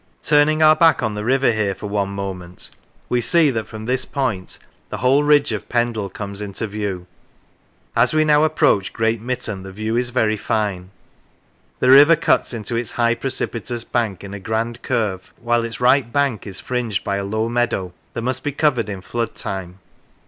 Turning our back on the river here for one moment, we see that from this point the whole ridge of Pendle comes into view. As we now approach Great Mitton the view is very fine. The river cuts into its high precipitous bank in a grand curve, while its right bank is fringed by a low meadow, that must be covered in flood time.